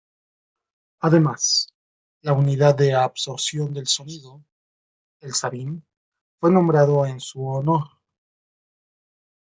Además, la unidad de absorción del sonido, el sabin, fue nombrado en su honor.